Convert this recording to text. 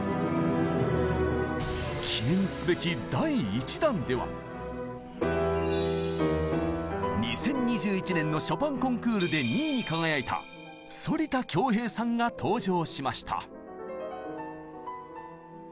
記念すべき２０２１年のショパンコンクールで２位に輝いた反田恭平さんが登場しました。